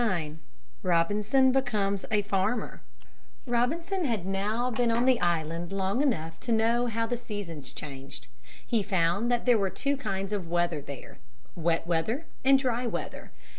XXIX ROBINSON BECOMES A FARMER Robinson had now been on the island long enough to know how the seasons changed. He found that there were two kinds of weather there, wet weather and dry weather.